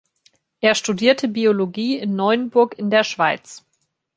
Er studierte Biologie in Neuenburg in der Schweiz.